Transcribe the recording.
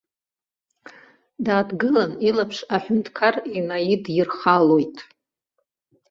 Дааҭгылан илаԥш аҳәынҭқар инаидирхалоит.